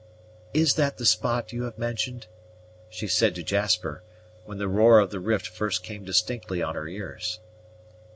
"Is that the spot you have mentioned?" she said to Jasper, when the roar of the rift first came distinctly on her ears.